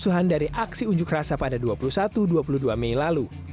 kerusuhan dari aksi unjuk rasa pada dua puluh satu dua puluh dua mei lalu